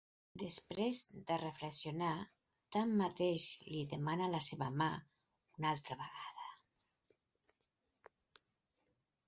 Després de reflexionar, tanmateix, li demana la seva mà una altra vegada.